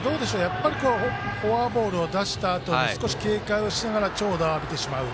フォアボールを出したあと少し警戒をしながら長打を浴びてしまう。